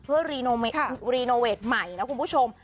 เพื่อรีโนเวทใหม่นะคุณผู้ชม